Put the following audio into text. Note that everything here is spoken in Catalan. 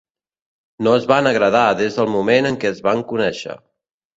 No es van agradar des del moment en què es van conèixer.